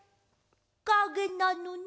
かげなのね！